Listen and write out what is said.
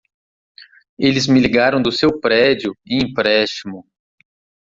Eles me ligaram do seu prédio e empréstimo.